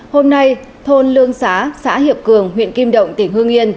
hôm nay thôn lương xá xã hiệp cường huyện kim động tỉnh hương yên